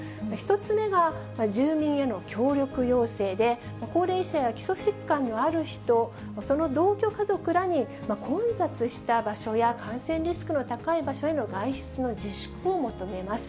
１つ目が、住民への協力要請で、高齢者や基礎疾患のある人、その同居家族らに混雑した場所や感染リスクの高い場所への外出の自粛を求めます。